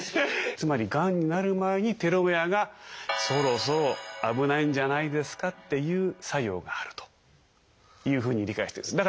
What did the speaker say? つまりがんになる前にテロメアが「そろそろ危ないんじゃないですか」っていう作用があるというふうに理解してるんです。